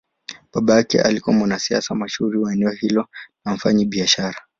Baba yake alikuwa mwanasiasa mashuhuri wa eneo hilo na mfanyabiashara.